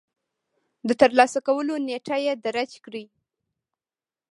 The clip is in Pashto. د ترلاسه کولو نېټه يې درج کړئ.